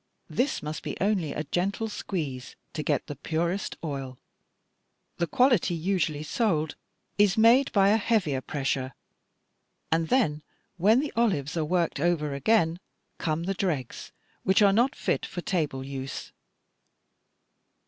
This must be only a gentle squeeze, to get the purest oil: the quality usually sold is made by a heavier pressure; and then, when the olives are worked over again, come the dregs, which are not fit for table use."